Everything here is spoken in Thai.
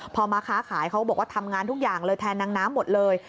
พอมาค้าขายเขาก็บอกว่าทำงานทุกอย่างเลยแทนนางน้ำหมดเลย